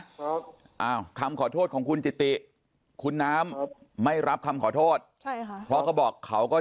ไม่รับคำขอโทษเพราะเขาบอกเขาก็เจ็บฉ้้มน้ำใจเหลือเกิน